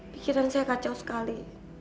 pikiran saya kacau sekali